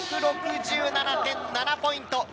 ２６７．７ポイント！